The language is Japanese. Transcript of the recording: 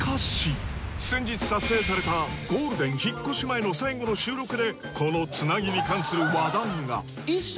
先日撮影されたゴールデン引っ越し前の最後の収録でこのつなぎに関する話題が衣装